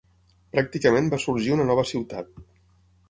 Pràcticament va sorgir una nova ciutat.